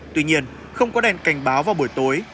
tuy nhiên không có đèn cảnh báo vào buổi tối